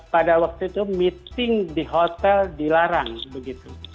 pada waktu itu meeting di hotel dilarang begitu